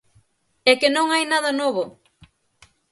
¡É que non hai nada novo!